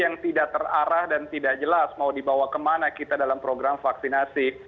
yang tidak terarah dan tidak jelas mau dibawa kemana kita dalam program vaksinasi